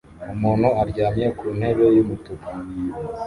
Umuntu aryamye ku ntebe yumutuku